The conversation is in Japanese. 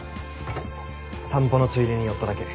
散歩のついでに寄っただけ。